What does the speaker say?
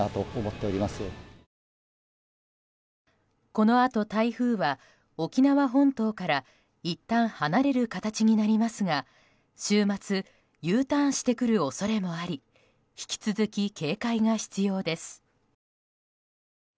このあと台風は沖縄本島からいったん離れる形になりますが週末Ｕターンしてくる恐れもあり引き続き警戒が必要です。